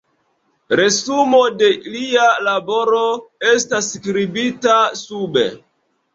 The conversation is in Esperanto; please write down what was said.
Resumo de lia laboro estas skribita sube.